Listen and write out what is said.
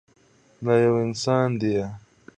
دا يو انسان ديه.